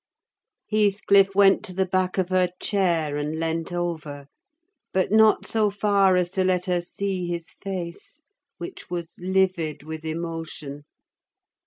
Heathcliff went to the back of her chair, and leant over, but not so far as to let her see his face, which was livid with emotion.